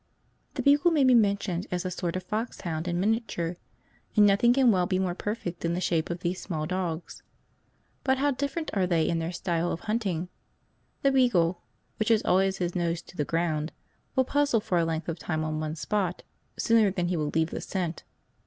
The beagle may be mentioned as a sort of foxhound in miniature, and nothing can well be more perfect than the shape of these small dogs. But how different are they in their style of hunting! The beagle, which has always his nose to the ground, will puzzle for a length of time on one spot, sooner than he will leave the scent.